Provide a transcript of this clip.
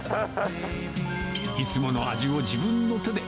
いつもの味を自分の手で。